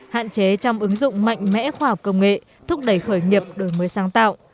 hạn chế trong ứng dụng mạnh mẽ khoa học công nghệ thúc đẩy khởi nghiệp đổi mới sáng tạo